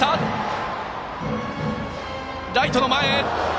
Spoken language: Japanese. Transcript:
ライトの前。